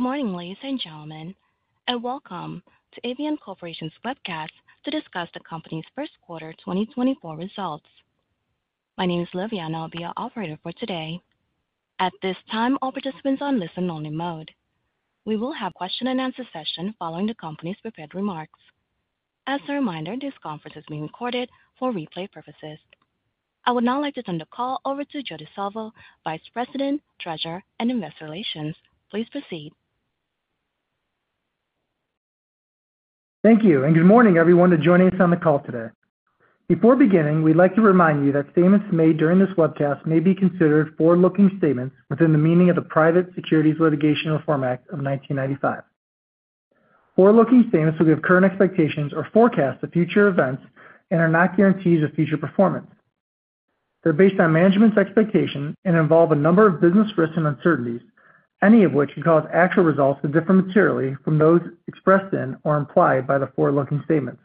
Good morning, ladies and gentlemen, and welcome to Avient's webcast to discuss the company's Q1 2024 results. My name is Liviana, I'll be your operator for today. At this time, all participants are on listen-only mode. We will have a question-and-answer session following the company's prepared remarks. As a reminder, this conference is being recorded for replay purposes. I would now like to turn the call over to Joe Di Salvo, Vice President, Treasurer, and Investor Relations. Please proceed. Thank you, and good morning, everyone, for joining us on the call today. Before beginning, we'd like to remind you that statements made during this webcast may be considered forward-looking statements within the meaning of the Private Securities Litigation Reform Act of 1995. Forward-looking statements give current expectations or forecasts of future events and are not guarantees of future performance. They're based on management's expectations and involve a number of business risks and uncertainties, any of which could cause actual results to differ materially from those expressed in or implied by the forward-looking statements.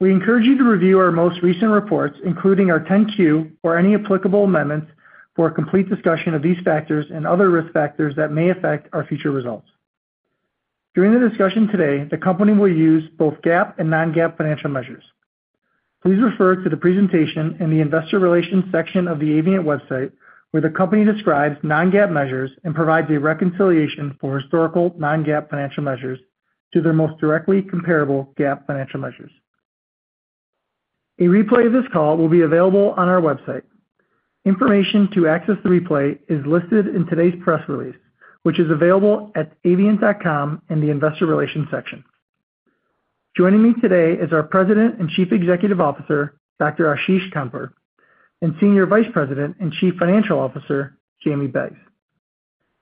We encourage you to review our most recent reports, including our 10-Q or any applicable amendments, for a complete discussion of these factors and other risk factors that may affect our future results. During the discussion today, the company will use both GAAP and non-GAAP financial measures. Please refer to the presentation in the investor relations section of the Avient website, where the company describes non-GAAP measures and provides a reconciliation for historical non-GAAP financial measures to their most directly comparable GAAP financial measures. A replay of this call will be available on our website. Information to access the replay is listed in today's press release, which is available at avient.com in the Investor Relations section. Joining me today is our President and Chief Executive Officer, Dr. Ashish Khandpur, and Senior Vice President and Chief Financial Officer, Jamie Beggs.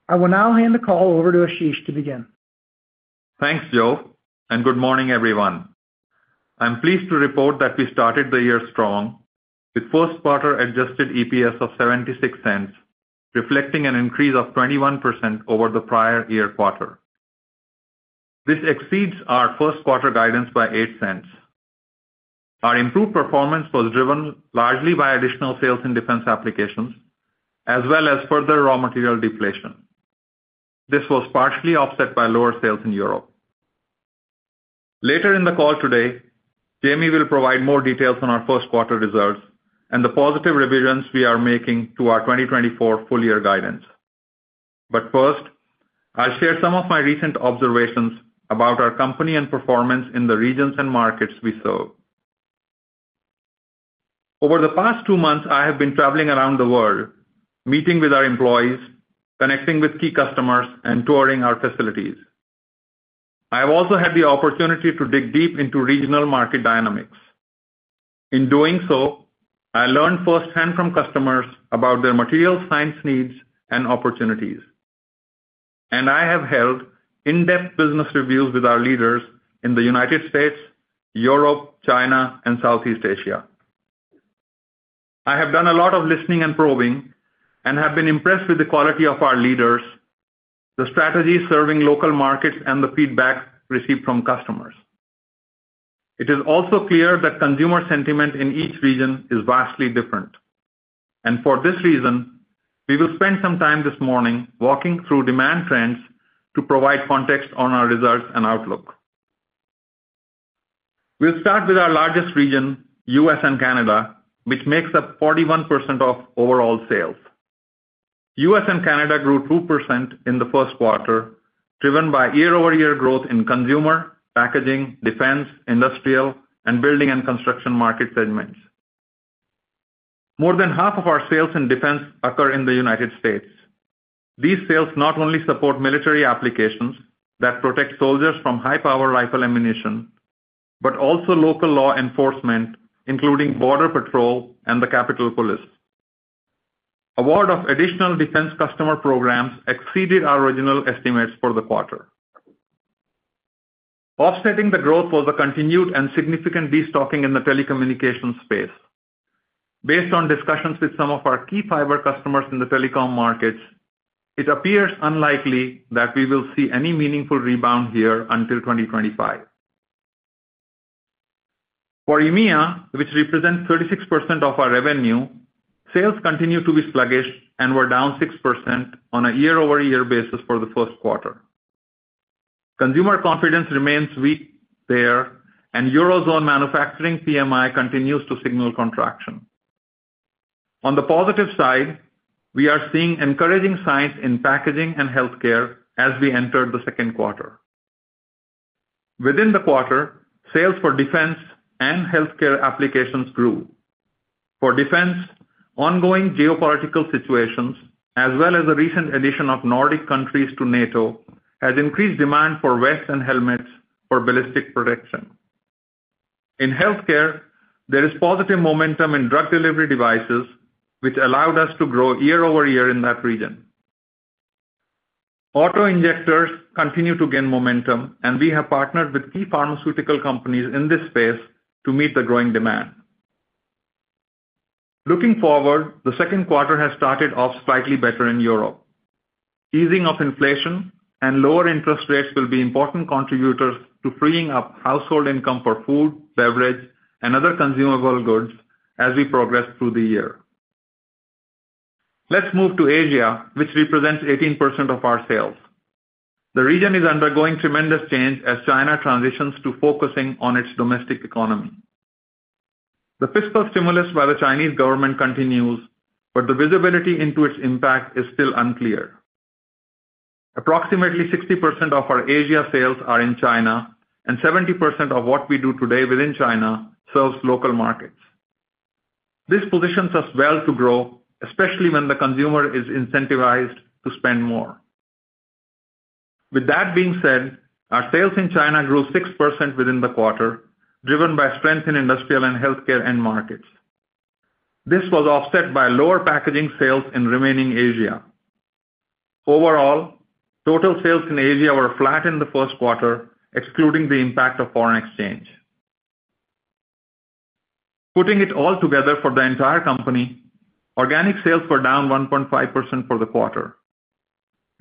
I will now hand the call over to Ashish to begin. Thanks, Joe, and good morning, everyone. I'm pleased to report that we started the year strong, with Q1 adjusted EPS of $0.76, reflecting an increase of 21% over the prior year quarter. This exceeds our Q1 guidance by $0.08. Our improved performance was driven largely by additional sales in defense applications, as well as further raw material deflation. This was partially offset by lower sales in Europe. Later in the call today, Jamie will provide more details on our Q1 results and the positive revisions we are making to our 2024 full-year guidance. But first, I'll share some of my recent observations about our company and performance in the regions and markets we serve. Over the past two months, I have been traveling around the world, meeting with our employees, connecting with key customers, and touring our facilities. I have also had the opportunity to dig deep into regional market dynamics. In doing so, I learned firsthand from customers about their material science needs and opportunities, and I have held in-depth business reviews with our leaders in the United States, Europe, China, and Southeast Asia. I have done a lot of listening and probing and have been impressed with the quality of our leaders, the strategy serving local markets, and the feedback received from customers. It is also clear that consumer sentiment in each region is vastly different, and for this reason, we will spend some time this morning walking through demand trends to provide context on our results and outlook. We'll start with our largest region, U.S. and Canada, which makes up 41% of overall sales. U.S. and Canada grew 2% in the Q1, driven by year-over-year growth in consumer, packaging, defense, industrial, and building and construction market segments. More than half of our sales in defense occur in the United States. These sales not only support military applications that protect soldiers from high-power rifle ammunition, but also local law enforcement, including Border Patrol and the Capitol Police. Award of additional defense customer programs exceeded our original estimates for the quarter. Offsetting the growth was a continued and significant destocking in the telecommunications space. Based on discussions with some of our key fiber customers in the telecom markets, it appears unlikely that we will see any meaningful rebound here until 2025. For EMEA, which represents 36% of our revenue, sales continued to be sluggish and were down 6% on a year-over-year basis for the Q1. Consumer confidence remains weak there, and Eurozone manufacturing PMI continues to signal contraction. On the positive side, we are seeing encouraging signs in packaging and healthcare as we entered the Q2. Within the quarter, sales for defense and healthcare applications grew. For defense, ongoing geopolitical situations, as well as the recent addition of Nordic countries to NATO, has increased demand for vests and helmets for ballistic protection. In healthcare, there is positive momentum in drug delivery devices, which allowed us to grow year-over-year in that region. Auto injectors continue to gain momentum, and we have partnered with key pharmaceutical companies in this space to meet the growing demand. Looking forward, the Q2 has started off slightly better in Europe. Easing of inflation and lower interest rates will be important contributors to freeing up household income for food, beverage, and other consumable goods. As we progress through the year. Let's move to Asia, which represents 18% of our sales. The region is undergoing tremendous change as China transitions to focusing on its domestic economy. The fiscal stimulus by the Chinese government continues, but the visibility into its impact is still unclear. Approximately 60% of our Asia sales are in China, and 70% of what we do today within China serves local markets. This positions us well to grow, especially when the consumer is incentivized to spend more. With that being said, our sales in China grew 6% within the quarter, driven by strength in industrial and healthcare end markets. This was offset by lower packaging sales in remaining Asia. Overall, total sales in Asia were flat in the Q1, excluding the impact of foreign exchange. Putting it all together for the entire company, organic sales were down 1.5% for the quarter.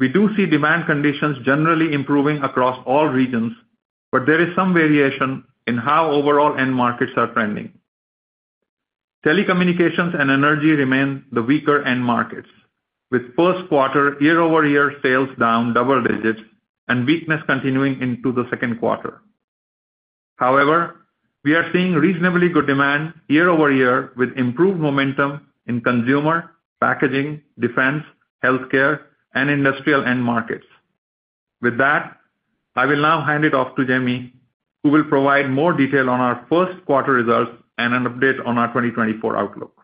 We do see demand conditions generally improving across all regions, but there is some variation in how overall end markets are trending. Telecommunications and energy remain the weaker end markets, with Q1 year-over-year sales down double digits and weakness continuing into the Q2. However, we are seeing reasonably good demand year-over-year, with improved momentum in consumer, packaging, defense, healthcare, and industrial end markets. With that, I will now hand it off to Jamie, who will provide more detail on our Q1 results and an update on our 2024 outlook.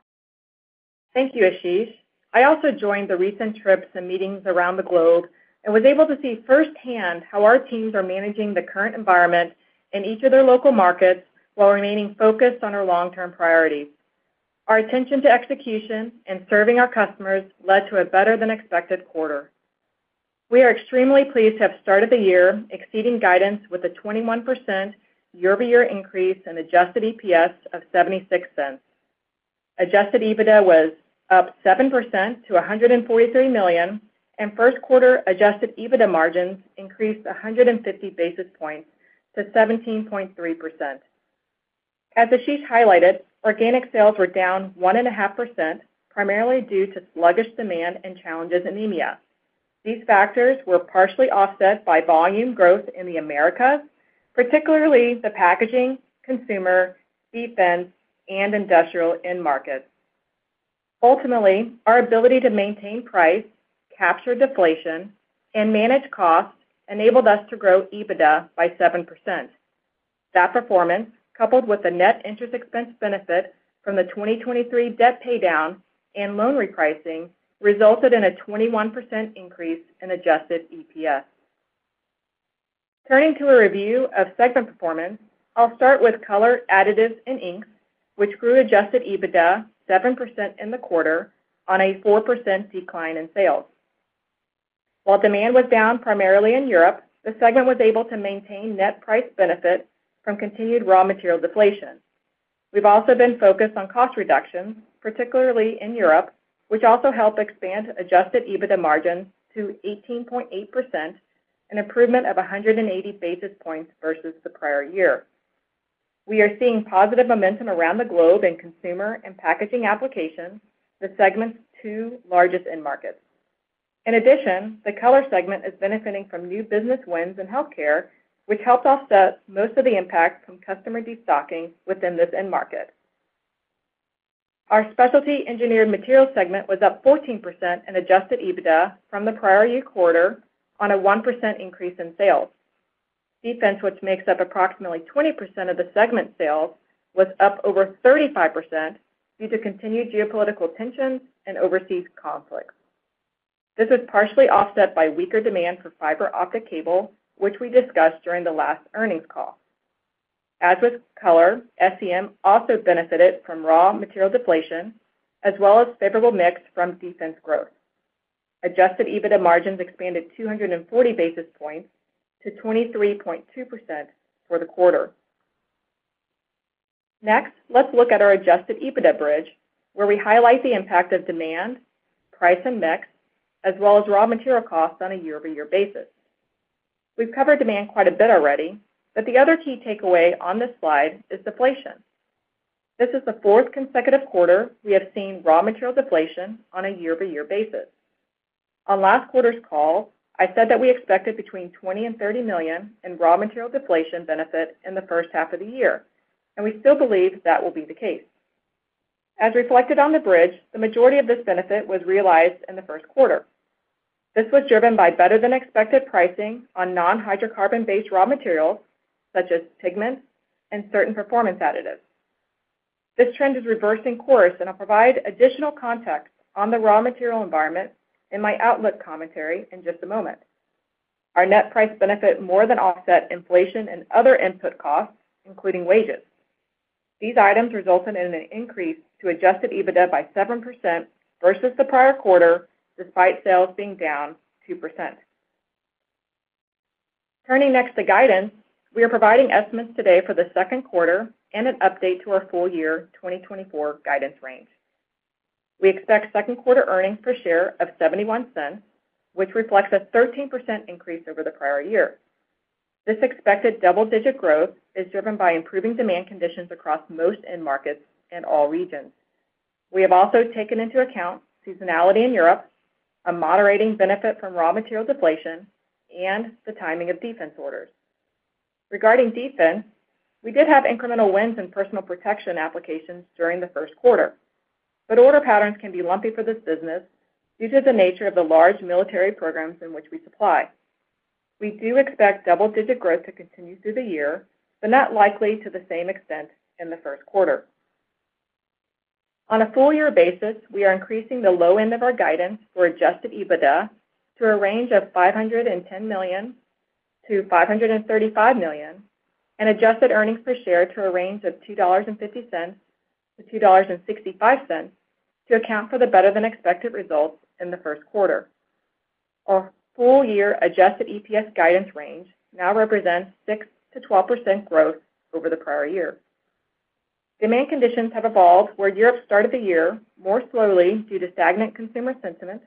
Thank you, Ashish. I also joined the recent trips and meetings around the globe and was able to see firsthand how our teams are managing the current environment in each of their local markets, while remaining focused on our long-term priorities. Our attention to execution and serving our customers led to a better than expected quarter. We are extremely pleased to have started the year exceeding guidance with a 21% year-over-year increase in adjusted EPS of $0.76. Adjusted EBITDA was up 7% to $143 million, and Q1 adjusted EBITDA margins increased 150 basis points to 17.3%. As Ashish highlighted, organic sales were down 1.5%, primarily due to sluggish demand and challenges in EMEA. These factors were partially offset by volume growth in the Americas, particularly the packaging, consumer, defense, and industrial end markets. Ultimately, our ability to maintain price, capture deflation, and manage costs enabled us to grow EBITDA by 7%. That performance, coupled with the net interest expense benefit from the 2023 debt paydown and loan repricing, resulted in a 21% increase in adjusted EPS. Turning to a review of segment performance, I'll start with Color Additives and Inks, which grew adjusted EBITDA 7% in the quarter on a 4% decline in sales. While demand was down primarily in Europe, the segment was able to maintain net price benefit from continued raw material deflation. We've also been focused on cost reductions, particularly in Europe, which also helped expand adjusted EBITDA margins to 18.8%, an improvement of 180 basis points versus the prior year. We are seeing positive momentum around the globe in consumer and packaging applications, the segment's two largest end markets. In addition, the Color segment is benefiting from new business wins in healthcare, which helped offset most of the impact from customer destocking within this end market. Our Specialty Engineered Materials segment was up 14% in Adjusted EBITDA from the prior year quarter on a 1% increase in sales. Defense, which makes up approximately 20% of the segment's sales, was up over 35% due to continued geopolitical tensions and overseas conflicts. This was partially offset by weaker demand for fiber optic cable, which we discussed during the last earnings call. As with Color, SEM also benefited from raw material deflation, as well as favorable mix from defense growth. Adjusted EBITDA margins expanded 240 basis points to 23.2% for the quarter. Next, let's look at our adjusted EBITDA bridge, where we highlight the impact of demand, price, and mix, as well as raw material costs on a year-over-year basis. We've covered demand quite a bit already, but the other key takeaway on this slide is deflation. This is the fourth consecutive quarter we have seen raw material deflation on a year-over-year basis. On last quarter's call, I said that we expected between $20 million and $30 million in raw material deflation benefit in the first half of the year, and we still believe that will be the case. As reflected on the bridge, the majority of this benefit was realized in the Q1. This was driven by better than expected pricing on non-hydrocarbon-based raw materials, such as pigments and certain performance additives. This trend is reversing course, and I'll provide additional context on the raw material environment in my outlook commentary in just a moment. Our net price benefit more than offset inflation and other input costs, including wages. These items resulted in an increase to Adjusted EBITDA by 7% versus the prior quarter, despite sales being down 2%. Turning next to guidance. We are providing estimates today for the Q2 and an update to our full-year 2024 guidance range. We expect Q2 earnings per share of $0.71, which reflects a 13% increase over the prior year. This expected double-digit growth is driven by improving demand conditions across most end markets in all regions. We have also taken into account seasonality in Europe, a moderating benefit from raw materials deflation, and the timing of defense orders. Regarding defense, we did have incremental wins in personal protection applications during the Q1, but order patterns can be lumpy for this business due to the nature of the large military programs in which we supply. We do expect double-digit growth to continue through the year, but not likely to the same extent in the Q1. On a full year basis, we are increasing the low end of our guidance for adjusted EBITDA to a range of $510 million-$535 million, and adjusted earnings per share to a range of $2.50-$2.65 to account for the better-than-expected results in the Q1. Our full year adjusted EPS guidance range now represents 6%-12% growth over the prior year. Demand conditions have evolved, where Europe started the year more slowly due to stagnant consumer sentiment.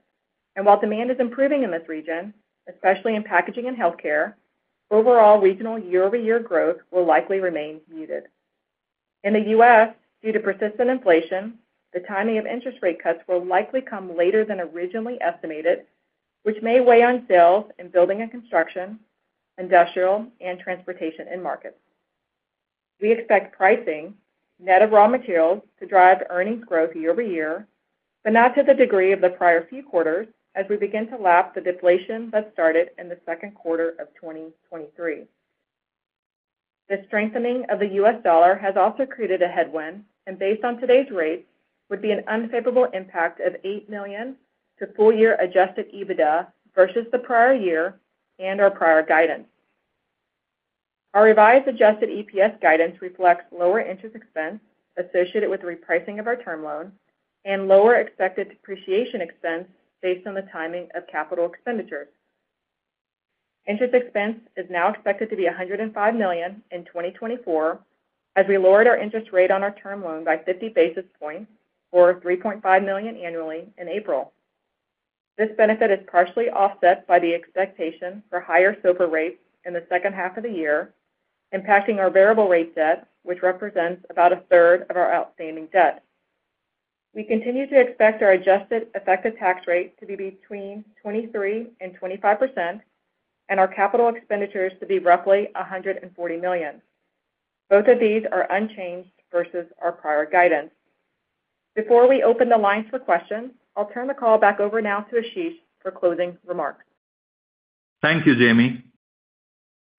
While demand is improving in this region, especially in packaging and healthcare, overall regional year-over-year growth will likely remain muted. In the U.S., due to persistent inflation, the timing of interest rate cuts will likely come later than originally estimated, which may weigh on sales in building and construction, industrial, and transportation end markets. We expect pricing, net of raw materials, to drive earnings growth year-over-year, but not to the degree of the prior few quarters as we begin to lap the deflation that started in the Q2 of 2023. The strengthening of the U.S. dollar has also created a headwind, and based on today's rates, would be an unfavorable impact of $8 million to full-year Adjusted EBITDA versus the prior year and our prior guidance. Our revised adjusted EPS guidance reflects lower interest expense associated with the repricing of our term loan and lower expected depreciation expense based on the timing of capital expenditures. Interest expense is now expected to be $105 million in 2024, as we lowered our interest rate on our term loan by 50 basis points, or $3.5 million annually in April. This benefit is partially offset by the expectation for higher SOFR rates in the second half of the year, impacting our variable rate debt, which represents about a third of our outstanding debt. We continue to expect our adjusted effective tax rate to be between 23% and 25%, and our capital expenditures to be roughly $140 million. Both of these are unchanged versus our prior guidance. Before we open the lines for questions, I'll turn the call back over now to Ashish for closing remarks. Thank you, Jamie.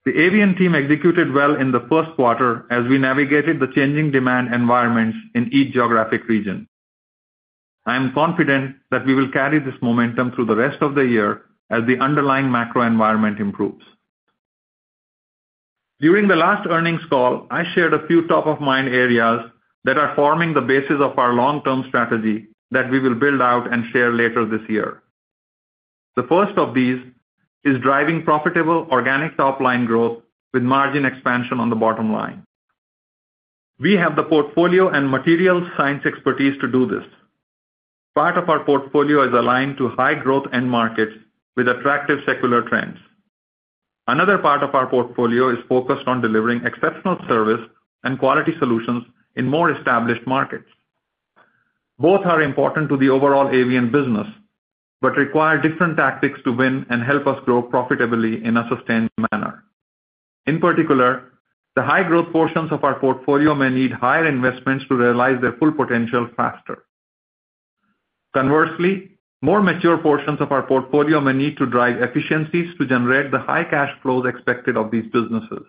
The Avient team executed well in the Q1 as we navigated the changing demand environments in each geographic region. I am confident that we will carry this momentum through the rest of the year as the underlying macro environment improves. During the last earnings call, I shared a few top-of-mind areas that are forming the basis of our long-term strategy that we will build out and share later this year. The first of these is driving profitable organic top-line growth with margin expansion on the bottom line. We have the portfolio and material science expertise to do this. Part of our portfolio is aligned to high-growth end markets with attractive secular trends. Another part of our portfolio is focused on delivering exceptional service and quality solutions in more established markets. Both are important to the overall Avient business, but require different tactics to win and help us grow profitably in a sustained manner. In particular, the high-growth portions of our portfolio may need higher investments to realize their full potential faster. Conversely, more mature portions of our portfolio may need to drive efficiencies to generate the high cash flows expected of these businesses.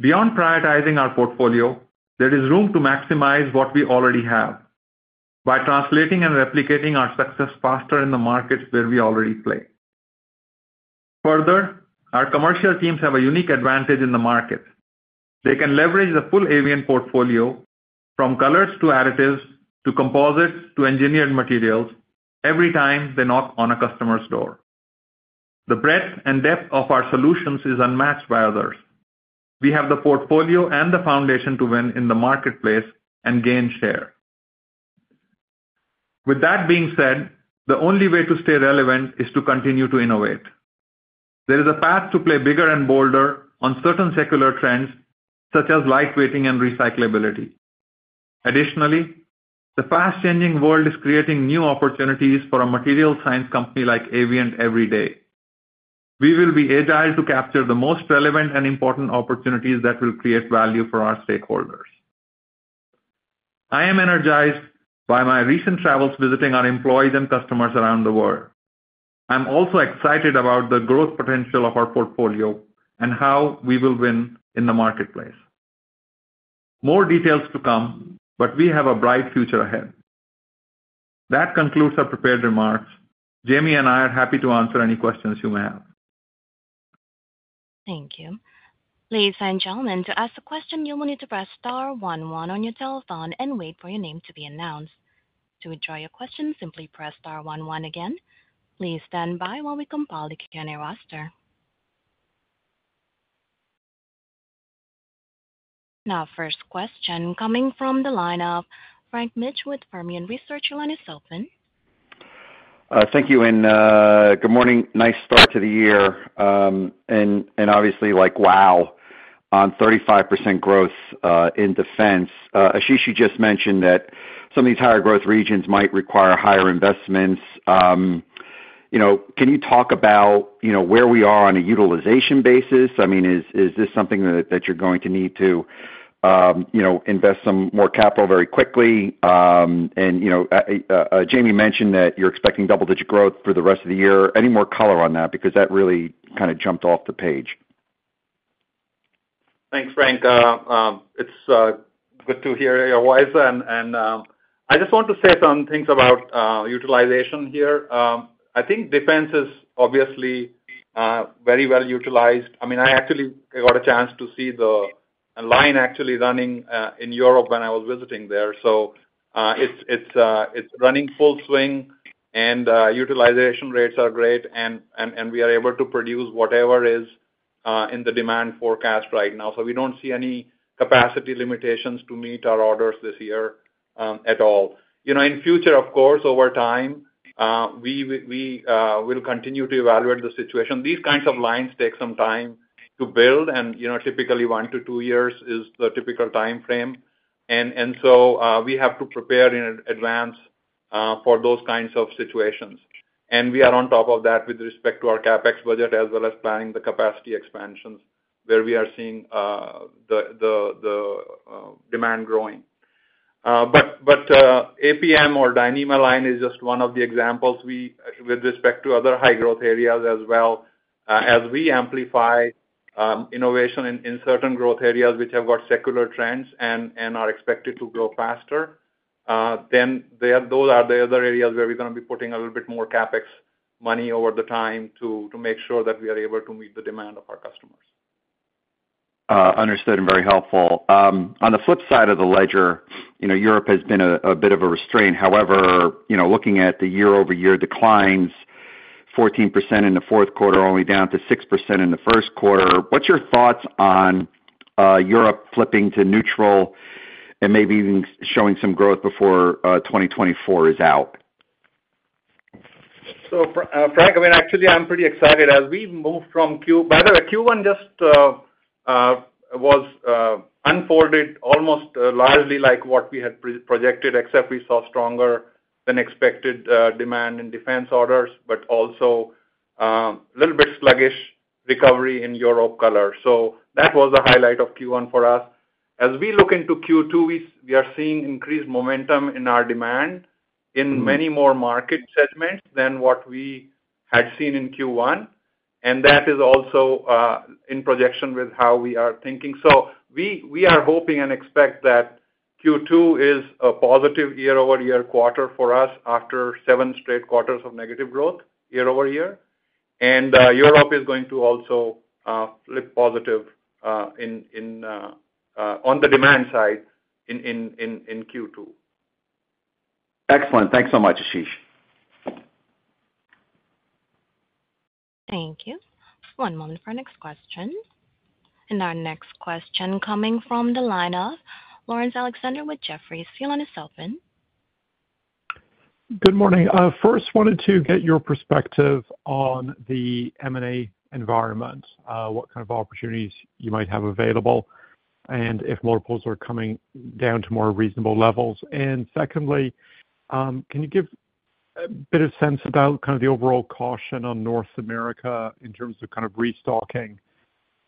Beyond prioritizing our portfolio, there is room to maximize what we already have by translating and replicating our success faster in the markets where we already play. Further, our commercial teams have a unique advantage in the market. They can leverage the full Avient portfolio, from colors to additives, to composites, to engineered materials, every time they knock on a customer's door. The breadth and depth of our solutions is unmatched by others. We have the portfolio and the foundation to win in the marketplace and gain share. With that being said, the only way to stay relevant is to continue to innovate. There is a path to play bigger and bolder on certain secular trends, such as lightweighting and recyclability. Additionally, the fast-changing world is creating new opportunities for a material science company like Avient every day. We will be agile to capture the most relevant and important opportunities that will create value for our stakeholders. I am energized by my recent travels, visiting our employees and customers around the world. I'm also excited about the growth potential of our portfolio and how we will win in the marketplace. More details to come, but we have a bright future ahead. That concludes our prepared remarks. Jamie and I are happy to answer any questions you may have. Thank you. Ladies and gentlemen, to ask a question, you will need to press star one one on your telephone and wait for your name to be announced. To withdraw your question, simply press star one one again. Please stand by while we compile the Q&A roster. Now, first question coming from the line of Frank Mitsch with Fermium Research. Your line is open. Thank you, and good morning. Nice start to the year. And obviously, like, wow, on 35% growth in defense. Ashish, you just mentioned that some of these higher growth regions might require higher investments. You know, can you talk about, you know, where we are on a utilization basis? I mean, is this something that you're going to need to, you know, invest some more capital very quickly? And you know, Jamie mentioned that you're expecting double-digit growth for the rest of the year. Any more color on that? Because that really kind of jumped off the page. Thanks, Frank. It's good to hear your voice. I just want to say some things about utilization here. I think defense is obviously very well utilized. I mean, I actually got a chance to see the line actually running in Europe when I was visiting there. So, it's running full swing, and utilization rates are great, and we are able to produce whatever is in the demand forecast right now. So we don't see any capacity limitations to meet our orders this year at all. You know, in future, of course, over time, we will continue to evaluate the situation. These kinds of lines take some time to build, and, you know, typically one to two years is the typical timeframe. So we have to prepare in advance for those kinds of situations. And we are on top of that with respect to our CapEx budget, as well as planning the capacity expansions, where we are seeing the demand growing. But APM or Dyneema line is just one of the examples we with respect to other high growth areas as well, as we amplify innovation in certain growth areas which have got secular trends and are expected to grow faster than they are—those are the other areas where we're gonna be putting a little bit more CapEx money over the time to make sure that we are able to meet the demand of our customers. Understood, and very helpful. On the flip side of the ledger, you know, Europe has been a bit of a restraint. However, you know, looking at the year-over-year declines, 14% in the Q4, only down to 6% in the Q1, what's your thoughts on Europe flipping to neutral and maybe even showing some growth before 2024 is out? So Frank, I mean, actually, I'm pretty excited. As we move from Q1 by the way, Q1 just was unfolded almost largely like what we had projected, except we saw stronger than expected demand in defense orders, but also little bit sluggish recovery in Europe color. So that was the highlight of Q1 for the for us. As we look into Q2, we are seeing increased momentum in our demand in many more market segments than what we had seen in Q1, and that is also in projection with how we are thinking. So we are hoping and expect that Q2 is a positive year-over-year quarter for us after seven straight quarters of negative growth year over year. Europe is going to also flip positive on the demand side in Q2. Excellent. Thanks so much, Ashish. Thank you. One moment for our next question. Our next question coming from the line of Laurence Alexander with Jefferies. Your line is open. Good morning. First, wanted to get your perspective on the M&A environment, what kind of opportunities you might have available, and if multiples are coming down to more reasonable levels? Secondly, can you give a bit of sense about kind of the overall caution on North America in terms of kind of restocking?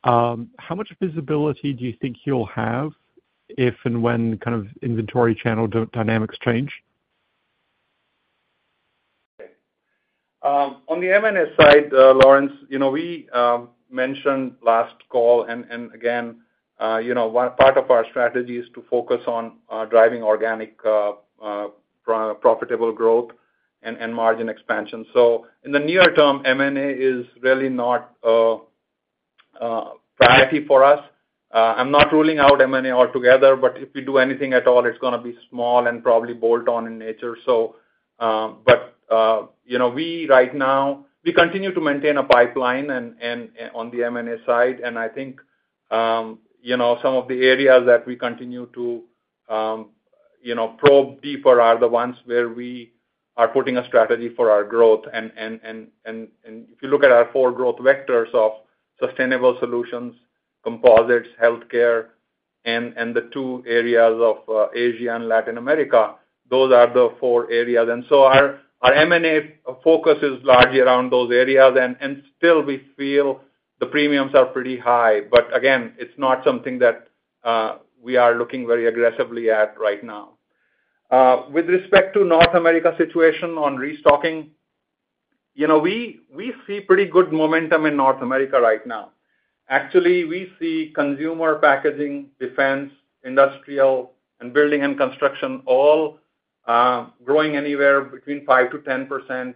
How much visibility do you think you'll have, if and when, kind of inventory channel dynamics change? On the M&A side, Laurence, you know, we mentioned last call, and again, you know, one part of our strategy is to focus on driving organic profitable growth and margin expansion. So in the near term, M&A is really not a priority for us. I'm not ruling out M&A altogether, but if we do anything at all, it's gonna be small and probably bolt-on in nature. So, but you know, we right now continue to maintain a pipeline and on the M&A side, and I think you know, some of the areas that we continue to probe deeper are the ones where we are putting a strategy for our growth. If you look at our four growth vectors of sustainable solutions, composites, healthcare, and the two areas of Asia and Latin America, those are the four areas. So our M&A focus is largely around those areas, and still we feel the premiums are pretty high. But again, it's not something that we are looking very aggressively at right now. With respect to North America situation on restocking, you know, we see pretty good momentum in North America right now. Actually, we see consumer packaging, defense, industrial, and building and construction all growing anywhere between 5%-10%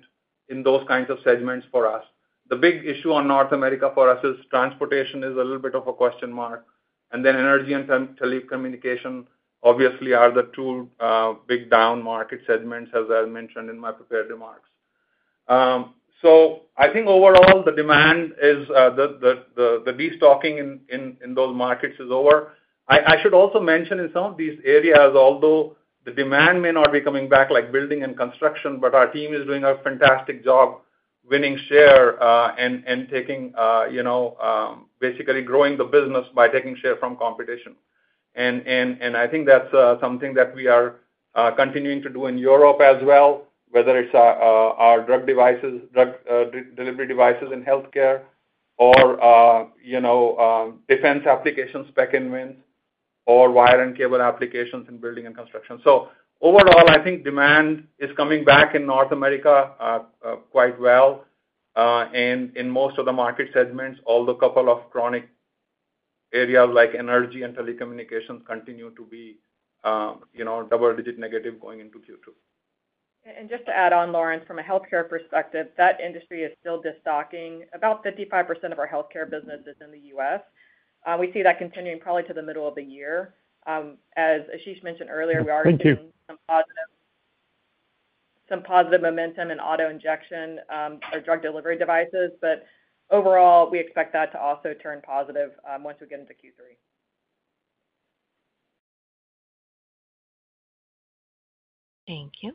in those kinds of segments for us. The big issue on North America for us is transportation is a little bit of a question mark, and then energy and telecommunication obviously are the two big downmarket segments, as I mentioned in my prepared remarks. So I think overall, the demand is the destocking in those markets is over. I should also mention in some of these areas, although the demand may not be coming back, like building and construction, but our team is doing a fantastic job winning share, and taking you know basically growing the business by taking share from competition. And I think that's something that we are continuing to do in Europe as well, whether it's our drug devices, drug delivery devices in healthcare or you know defense applications, spec and win, or wire and cable applications in building and construction. So overall, I think demand is coming back in North America quite well and in most of the market segments, although a couple of chronic areas like energy and telecommunications continue to be you know double-digit negative going into Q2. Just to add on, Laurence, from a healthcare perspective, that industry is still destocking. About 55% of our healthcare business is in the U.S. We see that continuing probably to the middle of the year. As Ashish mentioned earlier, we are- Thank you seeing some positive, some positive momentum in auto injection, or drug delivery devices, but overall, we expect that to also turn positive, once we get into Q3. Thank you.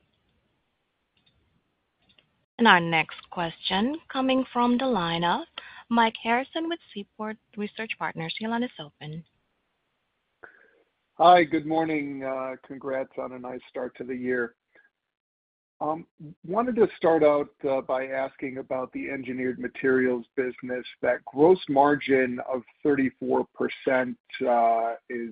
Our next question coming from the line of Mike Harrison with Seaport Research Partners. Your line is open. Hi, good morning. Congrats on a nice start to the year. Wanted to start out by asking about the engineered materials business. That gross margin of 34%, is,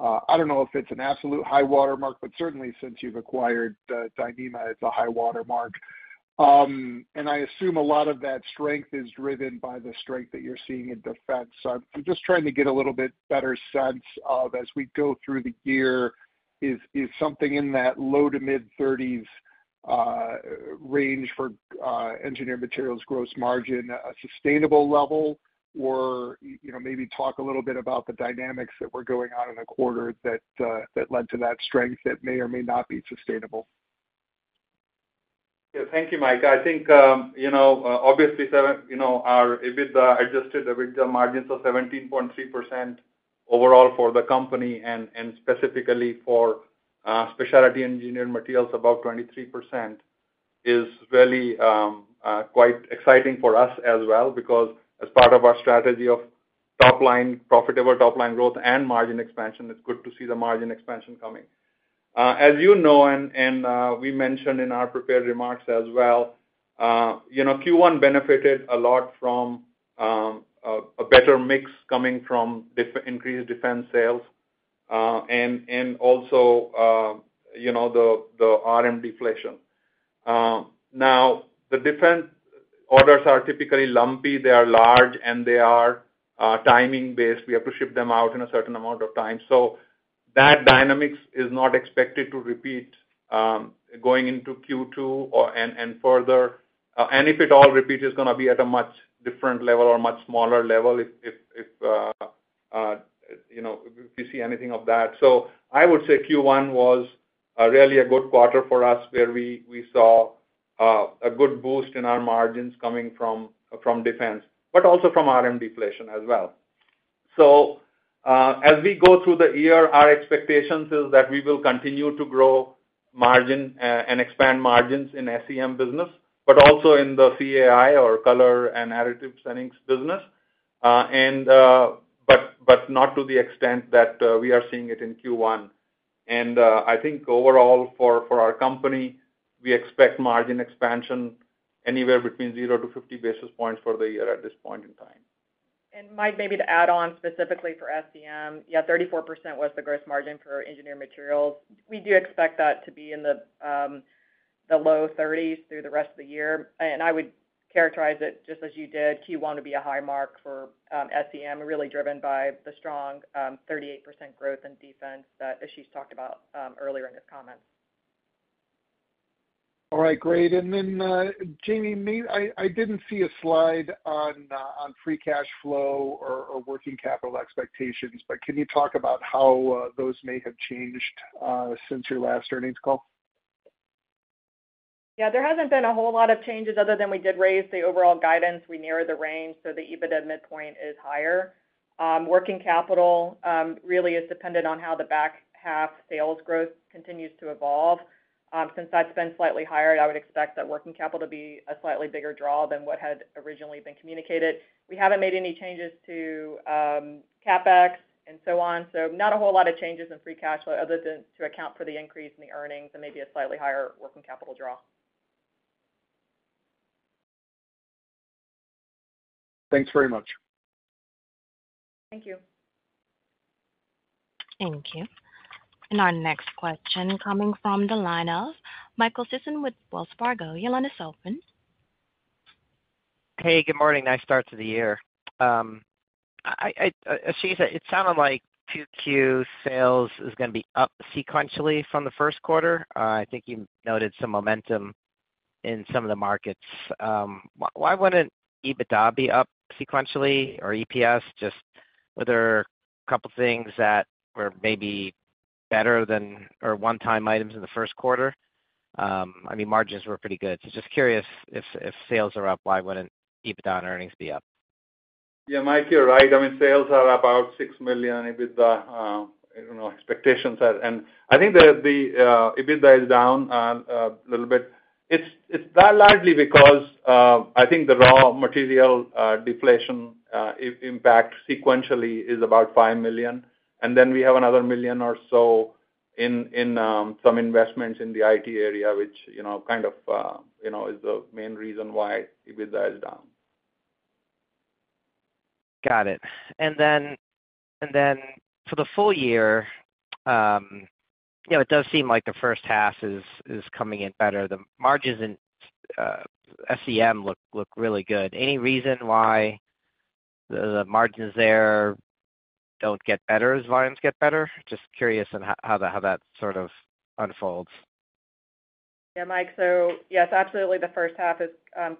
I don't know if it's an absolute high watermark, but certainly since you've acquired Dyneema, it's a high watermark. And I assume a lot of that strength is driven by the strength that you're seeing in defense. So I'm just trying to get a little bit better sense of as we go through the year, is something in that low- to mid-30s range for engineered materials gross margin, a sustainable level? Or, you know, maybe talk a little bit about the dynamics that were going on in the quarter that led to that strength that may or may not be sustainable. Yeah. Thank you, Mike. I think, you know, obviously, seven, you know, our, EBITDA, Adjusted EBITDA margins of 17.3% overall for the company and, and specifically for, Specialty Engineered Materials, about 23%, is really, quite exciting for us as well, because as part of our strategy of top line, profitable top line growth and margin expansion, it's good to see the margin expansion coming. As you know, and, we mentioned in our prepared remarks as well, you know, Q1 benefited a lot from, a better mix coming from increased defense sales, and also, you know, the, the RM deflation. Now, the defense orders are typically lumpy, they are large, and they are, timing-based. We have to ship them out in a certain amount of time. So that dynamics is not expected to repeat going into Q2 or and further. And if it all repeats, it's gonna be at a much different level or much smaller level, you know, if we see anything of that. So I would say Q1 was really a good quarter for us, where we saw a good boost in our margins coming from defense, but also from RM deflation as well. So as we go through the year, our expectations is that we will continue to grow margin and expand margins in SEM business, but also in the CAI or Color Additives and Inks business, but not to the extent that we are seeing it in Q1. I think overall for our company, we expect margin expansion anywhere between 0-50 basis points for the year at this point in time. Mike, maybe to add on specifically for SEM, yeah, 34% was the gross margin for engineered materials. We do expect that to be in the low 30s through the rest of the year. And I would characterize it, just as you did, Q1 to be a high mark for SEM, really driven by the strong 38% growth in defense that Ashish talked about earlier in his comments. All right, great. And then, Jamie, I didn't see a slide on free cash flow or working capital expectations, but can you talk about how those may have changed since your last earnings call? Yeah, there hasn't been a whole lot of changes other than we did raise the overall guidance. We narrowed the range, so the EBITDA midpoint is higher. Working capital really is dependent on how the back half sales growth continues to evolve. Since that's been slightly higher, I would expect that working capital to be a slightly bigger draw than what had originally been communicated. We haven't made any changes to CapEx and so on, so not a whole lot of changes in free cash flow other than to account for the increase in the earnings and maybe a slightly higher working capital draw. Thanks very much. Thank you. Thank you. Our next question coming from the line of Michael Sisson with Wells Fargo. Your line is open. Hey, good morning. Nice start to the year. Ashish, it sounded like Q2 sales is gonna be up sequentially from the Q1. I think you noted some momentum in some of the markets. Why wouldn't EBITDA be up sequentially or EPS? Just were there a couple things that were maybe better than or one-time items in the Q1? I mean, margins were pretty good. So just curious, if sales are up, why wouldn't EBITDA and earnings be up? Yeah, Mike, you're right. I mean, sales are up about $6 million EBITDA. You know, expectations are, and I think the EBITDA is down a little bit. It's that largely because I think the raw material deflation impact sequentially is about $5 million, and then we have another $1 million or so in some investments in the IT area, which you know kind of you know is the main reason why EBITDA is down. Got it. And then for the full year, you know, it does seem like the H1 is coming in better. The margins in SEM look really good. Any reason why the margins there don't get better as volumes get better? Just curious on how that sort of unfolds. Yeah, Mike. So yes, absolutely, the H1 is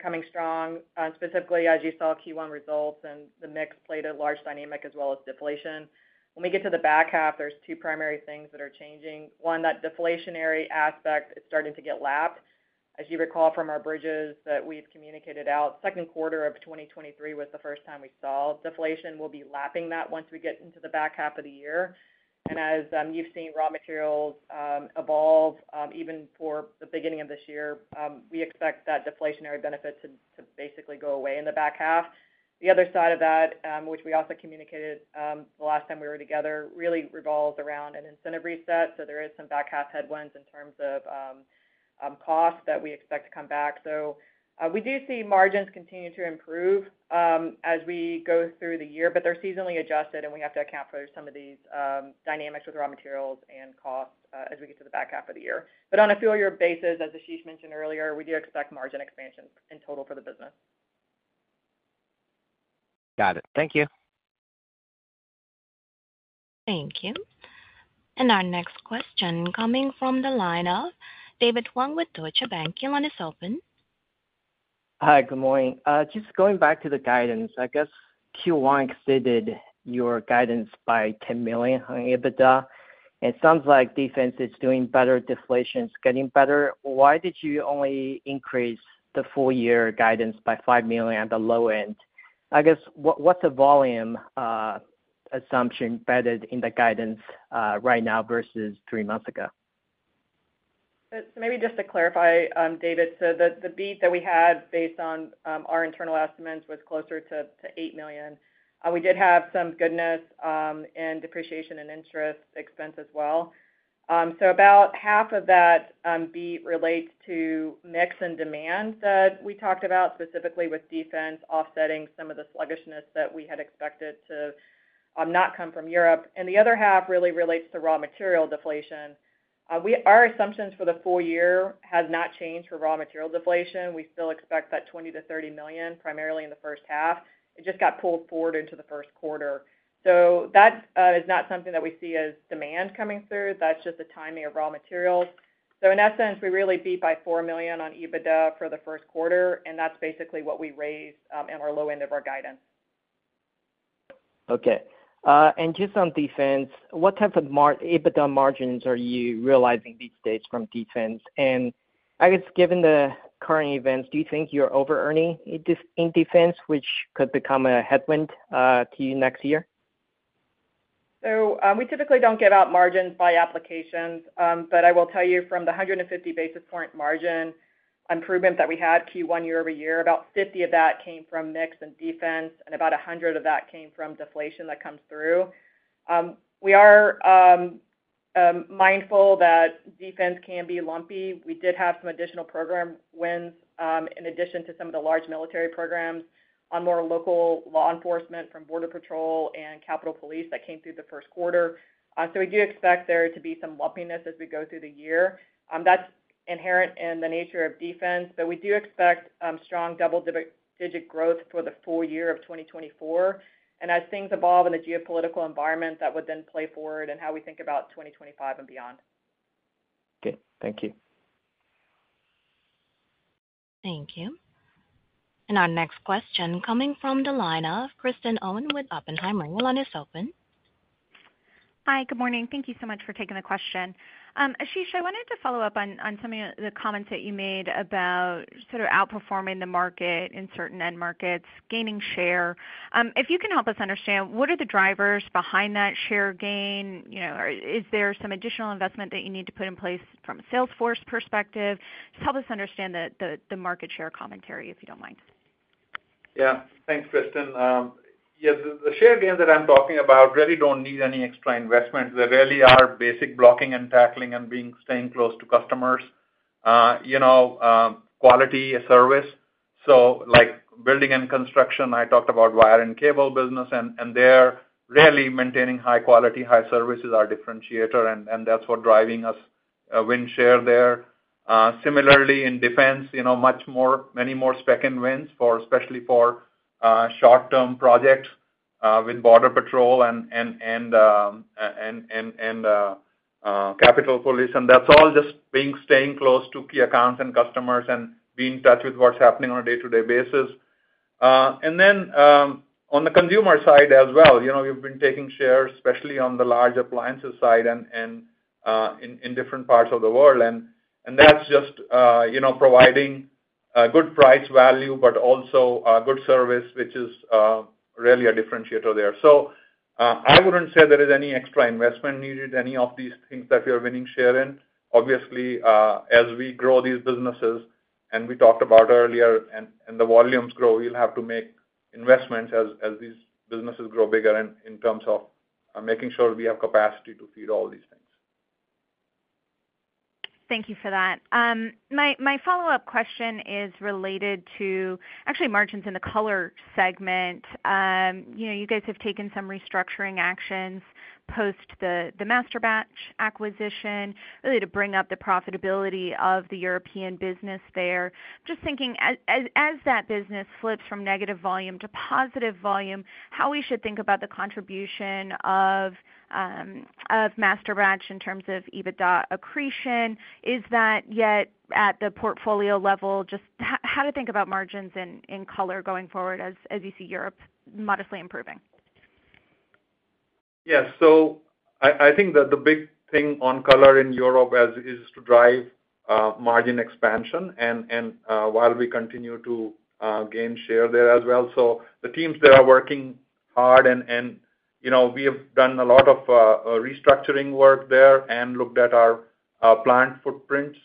coming strong, specifically as you saw Q1 results, and the mix played a large dynamic as well as deflation. When we get to the back half, there's two primary things that are changing. One, that deflationary aspect is starting to get lapped. As you recall from our bridges that we've communicated out, Q2 of 2023 was the first time we saw deflation. We'll be lapping that once we get into the back half of the year. And as you've seen raw materials evolve even for the beginning of this year, we expect that deflationary benefit to basically go away in the back half. The other side of that, which we also communicated the last time we were together, really revolves around an incentive reset. So there is some back half headwinds in terms of, costs that we expect to come back. So, we do see margins continue to improve, as we go through the year, but they're seasonally adjusted, and we have to account for some of these, dynamics with raw materials and costs, as we get to the back half of the year. But on a full year basis, as Ashish mentioned earlier, we do expect margin expansion in total for the business. Got it. Thank you. Thank you. Our next question coming from the line of David Huang with Deutsche Bank. Your line is open. Hi, good morning. Just going back to the guidance, I guess Q1 exceeded your guidance by $10 million on EBITDA. It sounds like defense is doing better, deflation is getting better. Why did you only increase the full year guidance by $5 million at the low end? I guess, what, what's the volume assumption embedded in the guidance right now versus three months ago? So maybe just to clarify, David, so the beat that we had based on our internal estimates was closer to $8 million. We did have some goodness in depreciation and interest expense as well. So about half of that beat relates to mix and demand that we talked about, specifically with defense, offsetting some of the sluggishness that we had expected to not come from Europe. And the other half really relates to raw material deflation. Our assumptions for the full year has not changed for raw material deflation. We still expect that $20 million-$30 million, primarily in the first half. It just got pulled forward into the Q1. So that is not something that we see as demand coming through. That's just the timing of raw materials. So in that sense, we really beat by $4 million on EBITDA for the Q1, and that's basically what we raised in our low end of our guidance. Okay. And just on defense, what type of EBITDA margins are you realizing these days from defense? And I guess, given the current events, do you think you're overearning in defense, which could become a headwind to you next year? So, we typically don't give out margins by applications, but I will tell you from the 150 basis point margin improvement that we had Q1 year-over-year, about 50 of that came from mix and defense, and about 100 of that came from deflation that comes through. We are mindful that defense can be lumpy. We did have some additional program wins, in addition to some of the large military programs on more local law enforcement from Border Patrol and Capitol Police that came through the Q1. So we do expect there to be some lumpiness as we go through the year. That's inherent in the nature of defense, but we do expect strong double-digit growth for the full year of 2024. As things evolve in the geopolitical environment, that would then play forward in how we think about 2025 and beyond. Okay, thank you. Thank you. And our next question coming from the line of Kristen Owen with Oppenheimer. Your line is open. Hi, good morning. Thank you so much for taking the question. Ashish, I wanted to follow up on some of the comments that you made about sort of outperforming the market in certain end markets, gaining share. If you can help us understand, what are the drivers behind that share gain? You know, or is there some additional investment that you need to put in place from a sales force perspective? Just help us understand the market share commentary, if you don't mind. Yeah. Thanks, Kristen. Yeah, the share gain that I'm talking about really don't need any extra investment. They really are basic blocking and tackling and being staying close to customers, you know, quality of service. So, like, building and construction, I talked about wire and cable business, and they're really maintaining high quality, high service is our differentiator, and that's what driving us win share there. Similarly, in defense, you know, many more second wins for, especially for, short-term projects with Border Patrol and Capitol Police. And that's all just being staying close to key accounts and customers and be in touch with what's happening on a day-to-day basis. And then, on the consumer side as well, you know, we've been taking shares, especially on the large appliances side and in different parts of the world. And that's just, you know, providing good price value, but also good service, which is really a differentiator there. So, I wouldn't say there is any extra investment needed, any of these things that we are winning share in. Obviously, as we grow these businesses, and we talked about earlier, and the volumes grow, we'll have to make investments as these businesses grow bigger in terms of making sure we have capacity to feed all these things. Thank you for that. My follow-up question is related to actually margins in the Color segment. You know, you guys have taken some restructuring actions, post the Masterbatch acquisition, really, to bring up the profitability of the European business there. Just thinking, as that business flips from negative volume to positive volume, how we should think about the contribution of Masterbatch in terms of EBITDA accretion? Is that yet at the portfolio level, just how to think about margins in Color going forward as you see Europe modestly improving? Yes. So I think that the big thing on Color in Europe and Asia is to drive margin expansion, while we continue to gain share there as well. So the teams there are working hard and, you know, we have done a lot of restructuring work there and looked at our plant footprints,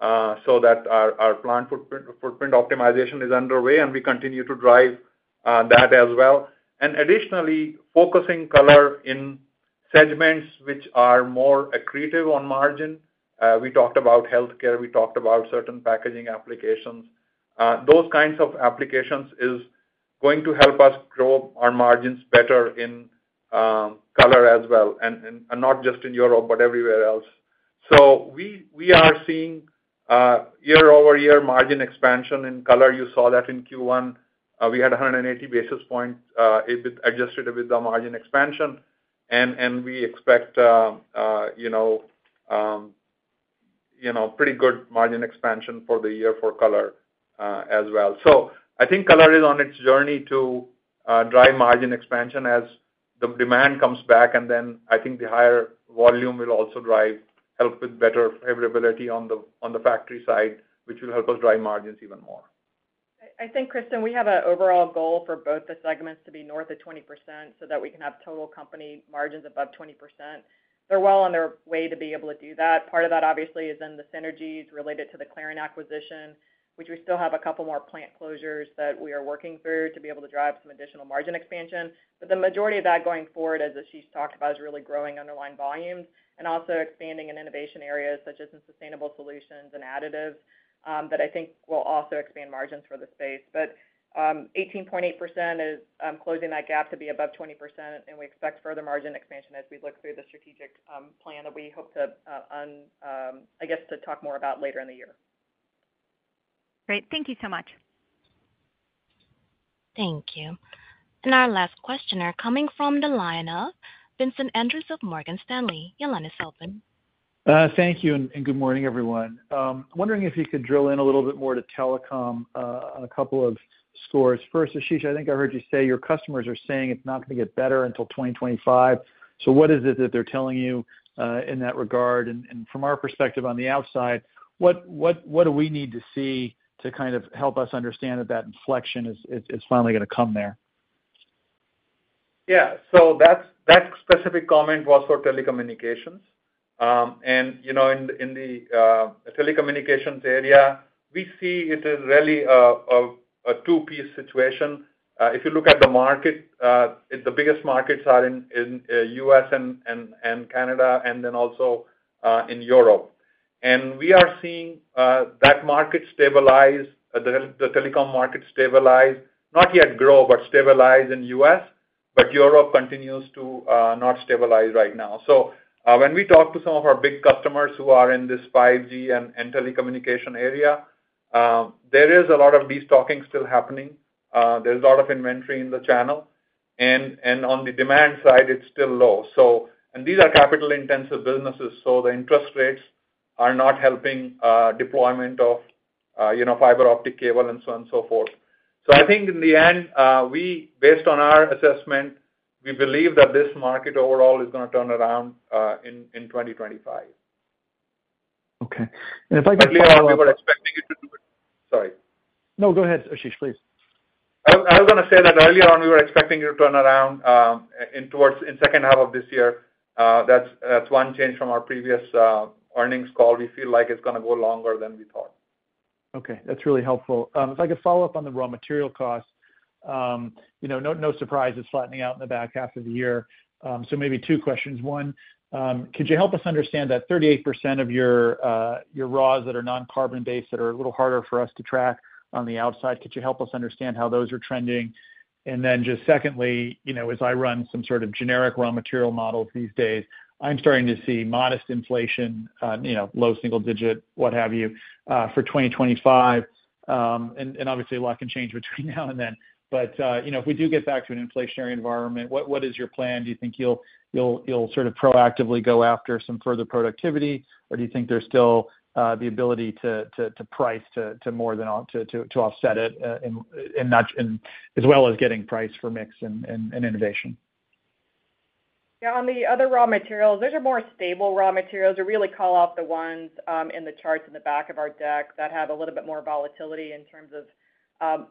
so that our plant footprint optimization is underway, and we continue to drive that as well. And additionally, focusing Color in segments which are more accretive on margin. We talked about healthcare, we talked about certain packaging applications. Those kinds of applications is going to help us grow our margins better in Color as well, and not just in Europe, but everywhere else. So we are seeing year-over-year margin expansion in Color. You saw that in Q1. We had 180 basis points, adjusted EPS, EBITDA margin expansion, and we expect, you know, you know, pretty good margin expansion for the year for Color, as well. So I think Color is on its journey to, drive margin expansion as the demand comes back, and then I think the higher volume will also drive, help with better favorability on the, on the factory side, which will help us drive margins even more. I think, Kristen, we have an overall goal for both the segments to be north of 20%, so that we can have total company margins above 20%. They're well on their way to be able to do that. Part of that, obviously, is in the synergies related to the Clariant acquisition, which we still have a couple more plant closures that we are working through to be able to drive some additional margin expansion. But the majority of that going forward, as Ashish talked about, is really growing underlying volumes and also expanding in innovation areas such as in sustainable solutions and additives that I think will also expand margins for the space. But 18.8% is closing that gap to be above 20%, and we expect further margin expansion as we look through the strategic plan that we hope to, I guess, to talk more about later in the year. Great. Thank you so much. Thank you. Our last question are coming from the line of Vincent Andrews of Morgan Stanley. Your line is open. Thank you, and good morning, everyone. Wondering if you could drill in a little bit more to telecom on a couple of scores. First, Ashish, I think I heard you say your customers are saying it's not gonna get better until 2025. So what is it that they're telling you in that regard? And from our perspective on the outside, what do we need to see to kind of help us understand that that inflection is finally gonna come there? Yeah. So that's, that specific comment was for telecommunications. And, you know, in the telecommunications area, we see it as really a two-piece situation. If you look at the market, the biggest markets are in the U.S. and Canada, and then also in Europe. And we are seeing that market stabilize, the telecom market stabilize, not yet grow, but stabilize in U.S. But Europe continues to not stabilize right now. So, when we talk to some of our big customers who are in this 5G and telecommunication area, there is a lot of destocking still happening. There's a lot of inventory in the channel, and on the demand side, it's still low. So these are capital-intensive businesses, so the interest rates are not helping deployment of, you know, fiber optic cable and so on and so forth. So I think in the end, we, based on our assessment, we believe that this market overall is gonna turn around in 2025. Okay. If I could follow up- Earlier on, we were expecting it to do it. Sorry. No, go ahead, Ashish, please. I was gonna say that earlier on, we were expecting it to turn around in second half of this year. That's one change from our previous earnings call. We feel like it's gonna go longer than we thought. Okay, that's really helpful. If I could follow up on the raw material costs, you know, no, no surprise, it's flattening out in the back half of the year. So maybe two questions. One, could you help us understand that 38% of your raws that are non-carbon based, that are a little harder for us to track on the outside, could you help us understand how those are trending? And then just secondly, you know, as I run some sort of generic raw material models these days, I'm starting to see modest inflation, you know, low single digit, what have you, for 2025. And, and obviously, a lot can change between now and then. But, you know, if we do get back to an inflationary environment, what, what is your plan? Do you think you'll sort of proactively go after some further productivity? Or do you think there's still the ability to price to more than offset it in notch and as well as getting price for mix and innovation? Yeah, on the other raw materials, those are more stable raw materials. I really call out the ones in the charts in the back of our deck that have a little bit more volatility in terms of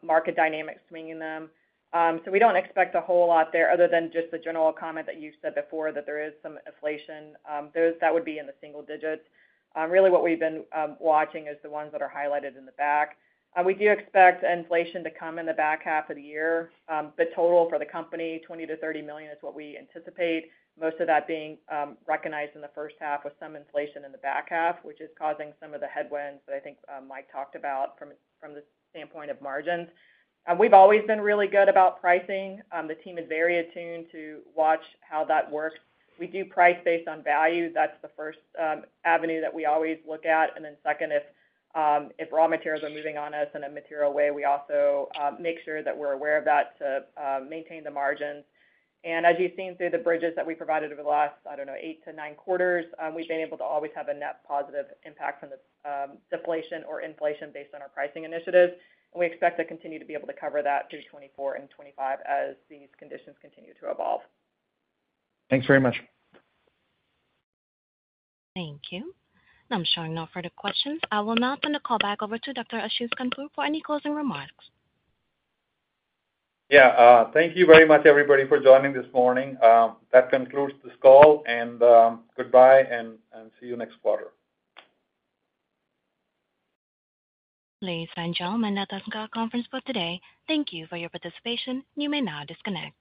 market dynamics swinging them. So we don't expect a whole lot there other than just the general comment that you said before, that there is some inflation. Those, that would be in the single digits. Really, what we've been watching is the ones that are highlighted in the back. We do expect inflation to come in the back half of the year. The total for the company, $20 million-$30 million, is what we anticipate. Most of that being recognized in the H1, with some inflation in the back half, which is causing some of the headwinds that I think Mike talked about from, from the standpoint of margins. We've always been really good about pricing. The team is very attuned to watch how that works. We do price based on value. That's the first avenue that we always look at. And then second, if raw materials are moving on us in a material way, we also make sure that we're aware of that to maintain the margins. And as you've seen through the bridges that we provided over the last, I don't know, 8-9 quarters, we've been able to always have a net positive impact from the deflation or inflation based on our pricing initiatives. And we expect to continue to be able to cover that through 2024 and 2025 as these conditions continue to evolve. Thanks very much. Thank you. I'm showing no further questions. I will now turn the call back over to Dr. Ashish Khandpur for any closing remarks. Yeah, thank you very much, everybody, for joining this morning. That concludes this call, and goodbye and see you next quarter. Ladies and gentlemen, that ends our conference call today. Thank you for your participation. You may now disconnect.